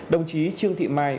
đồng chí trương thị mai